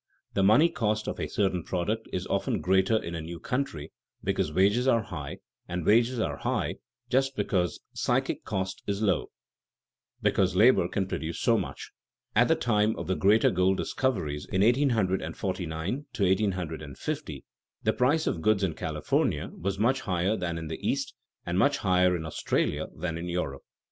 The money cost of a certain product is often greater in a new country because wages are high, and wages are high just because psychic cost is low, that is, because labor can produce so much. At the time of the great gold discoveries in 1849 50, the price of goods in California was much higher than in the East, and much higher in Australia than in Europe.